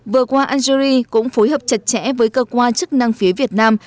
vừa qua algerie cũng phối hợp chặt chẽ với cơ quan chức năng phía việt nam